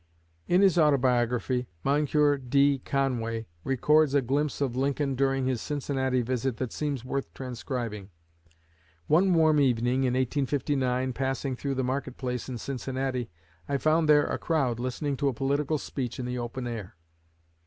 In his Autobiography, Moncure D. Conway records a glimpse of Lincoln during his Cincinnati visit that seems worth transcribing. "One warm evening in 1859, passing through the market place in Cincinnati, I found there a crowd listening to a political speech in the open air.